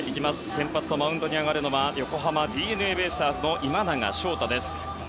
先発のマウンドに上がるのは横浜ＤｅＮＡベイスターズの今永昇太です。